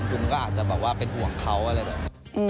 มันก็อาจจะแบบว่าเป็นห่วงเขาอะไรแบบนี้